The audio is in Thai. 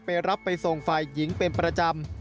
ไปรับไปส่งฝ่ายหญิงเป็นประจำ